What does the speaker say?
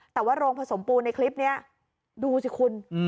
แต่ว่าโรงผสมปูนในคลิปนี้ดูสิคุณ